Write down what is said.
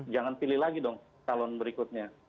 jangan pilih lagi dong calon berikutnya